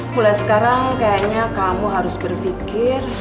mulai sekarang kayaknya kamu harus berpikir